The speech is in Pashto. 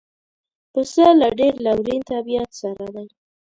پسه له ډېر لورین طبیعت سره دی.